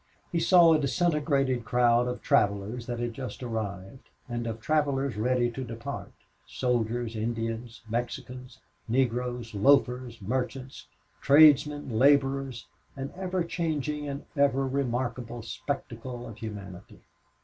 He saw a disintegrated crowd of travelers that had just arrived, and of travelers ready to depart soldiers, Indians, Mexicans, Negroes, loafers, merchants, tradesmen, laborers, an ever changing and ever remarkable spectacle of humanity.